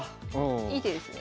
いい手ですね。